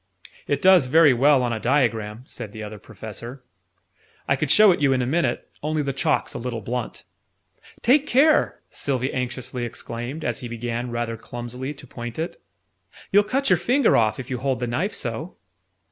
"It does very well on a diagram," said the Other Professor. "I could show it you in a minute, only the chalk's a little blunt." "Take care!" Sylvie anxiously exclaimed, as he began, rather clumsily, to point it. "You'll cut your finger off, if you hold the knife so!"